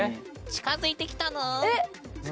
近づいてきた？